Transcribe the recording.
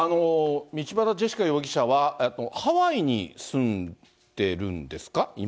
道端ジェシカ容疑者は、ハワイに住んでるんですか、今。